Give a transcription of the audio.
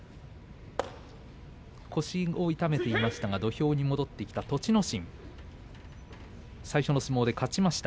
きのう腰を痛めていましたが土俵に戻ってきた栃ノ心。